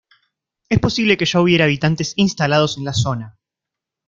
Es posible que ya hubiera habitantes instalados en la zona.